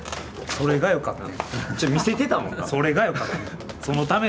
それがよかった。